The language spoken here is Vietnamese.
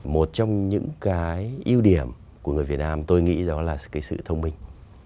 một trong những cái ưu điểm của người việt nam tôi nghĩ đó là cái sự thông minh